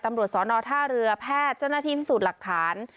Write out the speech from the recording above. ตำรวจสอนอท่าเรือแพทย์เจ้าหน้าที่พิสูจน์หลักฐาน